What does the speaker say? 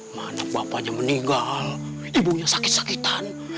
anak bapaknya meninggal ibunya sakit sakitan